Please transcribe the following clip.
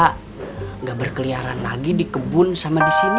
tidak berkeliaran lagi di kebun sama di sini